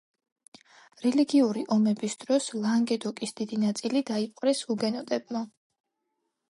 რელიგიური ომების დროს ლანგედოკის დიდი ნაწილი დაიპყრეს ჰუგენოტებმა.